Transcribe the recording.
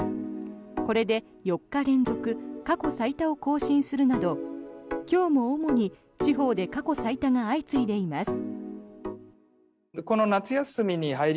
これで４日連続過去最多を更新するなど今日も主に地方で過去最多が相次いでいます。